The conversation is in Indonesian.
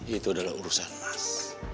itu adalah urusan mas